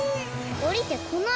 おりてこないよ？